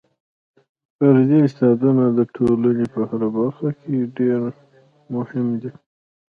فردي استعدادونه د ټولنې په هره برخه کې ډېر مهم دي.